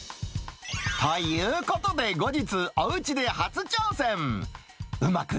ということで、後日、おうちで初挑戦。